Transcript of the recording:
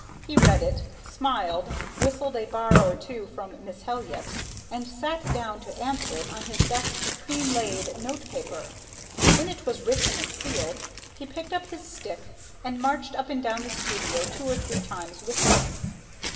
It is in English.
He read it, smiled, whistled a bar or two from "Miss Helyett," and sat down to answer it on his best cream laid note paper. When it was written and sealed, he picked up his stick and marched up and down the studio two or three times, whistling.